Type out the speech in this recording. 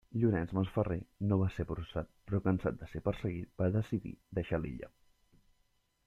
Llorenç Masferrer no va ser processat, però cansat de ser perseguit va decidir deixar l'illa.